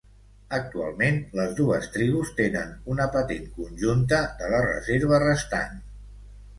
Actualment les dues tribus tenen una patent conjunta de la reserva restant.